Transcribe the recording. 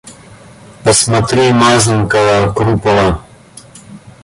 Посмотри Мазанкова, Крупова.